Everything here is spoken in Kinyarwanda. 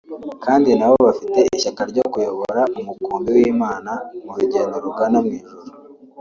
Kandi n’abo bafite ishyaka ryo kuyobora umukumbi w’Imana mu rugendo rugana mu ijuru